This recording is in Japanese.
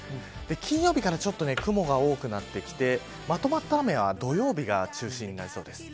金曜日からちょっと雲が多くなってきてまとまった雨は土曜日が中心になりそうです。